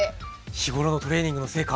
日頃のトレーニングの成果。